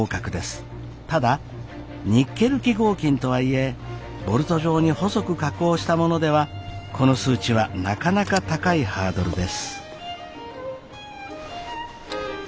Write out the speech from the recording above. ただニッケル基合金とはいえボルト状に細く加工したものではこの数値はなかなか高いハードルです。